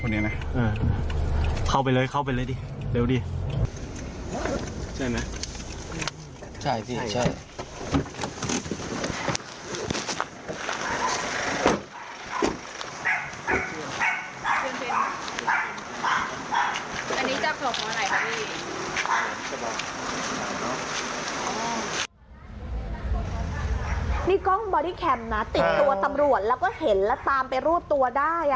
นี่กล้องบอดี้แคมป์นะติดตัวตำรวจแล้วก็เห็นแล้วตามไปรวบตัวได้